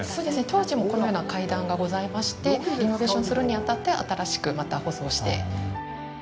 当時もこのような階段がございまして、リノベーションするに当たって新しくまた舗装して。